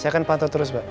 saya akan pantau terus pak